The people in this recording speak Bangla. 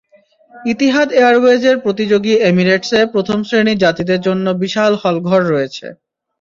ইতিহাদ এয়ারওয়েজের প্রতিযোগী এমিরেটসে প্রথম শ্রেণীর যাত্রীদের জন্য বিশাল হলঘর রয়েছে।